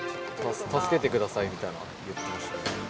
助けてくださいみたいな、言ってました。